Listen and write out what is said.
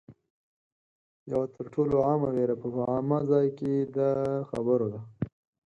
یوه تر ټولو عامه وېره په عامه ځای کې د خبرو ده